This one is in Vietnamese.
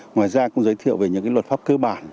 ngoài ra cũng giới thiệu về những luật pháp cơ bản